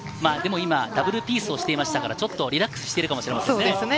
今ダブルピースをしていましたから、ちょっとリラックスしてるかもしれませんね。